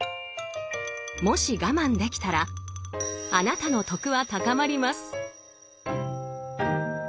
もし我慢できたらあなたの「徳」は高まります！